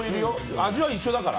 味は一緒だから。